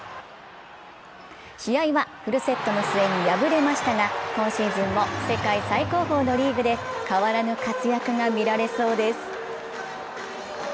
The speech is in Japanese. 試合はフルセットの末に敗れましたが、今シーズンも世界最高峰のリーグで変わらぬ活躍が見られそうです。